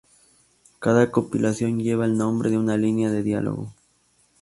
Cada compilación lleva el nombre de una línea de diálogo.